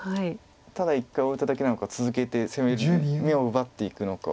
ただ一回置いただけなのか続けて眼を奪っていくのか。